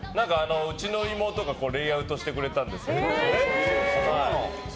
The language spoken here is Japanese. うちの妹がレイアウトしてくれたんですけど。